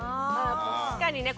確かにね。